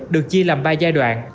được chia làm ba giai đoạn